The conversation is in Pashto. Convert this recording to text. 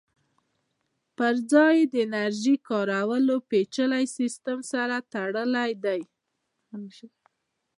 پرځای یې د انرژۍ کارولو پېچلي سیسټم سره تړلی دی